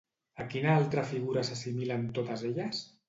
A quina altra figura s'assimilen totes elles?